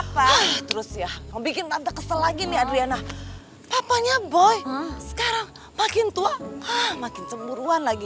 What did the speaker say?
baik terus ya mau bikin tante kesel lagi nih adriana papanya boy sekarang makin tua makin cemburuan lagi